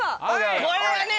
これはね！